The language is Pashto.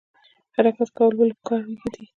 حرکت کول ولې پکار دي؟